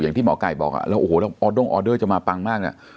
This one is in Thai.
อย่างที่หมอกายบอกอ่ะแล้วโอ้โหแล้วจะมาปังมากน่ะ